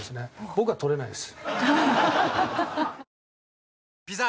僕は捕れないです。